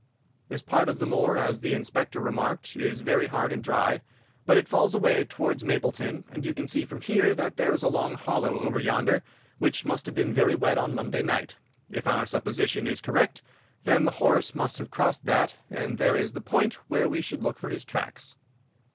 This part of the moor, as the Inspector remarked, is very hard and dry. But it falls away towards Mapleton, and you can see from here that there is a long hollow over yonder, which must have been very wet on Monday night. If our supposition is correct, then the horse must have crossed that, and there is the point where we should look for his tracks."